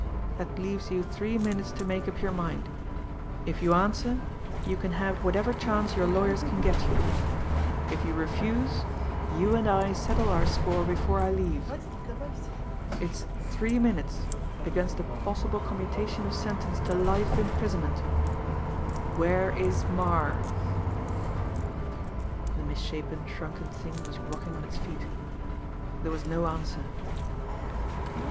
That leaves you three minutes to make up your mind. If you answer, you can have whatever chance your lawyers can get you; if you refuse, you and I settle our score before I leave. It's three minutes against a possible commutation of sentence to life imprisonment. Where is Marre?" The misshapen, shrunken thing was rocking on its feet. There was no answer.